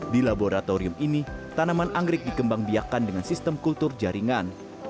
di laboratorium ini tanaman anggrek dikembang biakan dengan sistem kultur jaringan